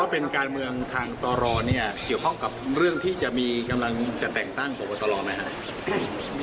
เป็นการเมืองทางตรเนี่ยเกี่ยวข้องกับเรื่องที่จะมีกำลังจะแต่งตั้งพบตรไหมครับ